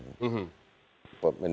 pemendagri pun pak caya kumulo